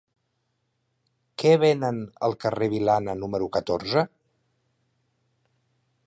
Què venen al carrer de Vilana número catorze?